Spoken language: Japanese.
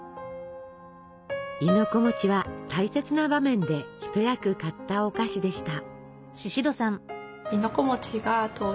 亥の子は大切な場面で一役買ったお菓子でした。